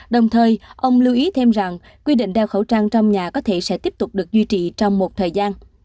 đồng thời ông lưu ý thêm rằng quy định đeo khẩu trang trong nhà có thể sẽ tiếp tục được duy trì trong một thời gian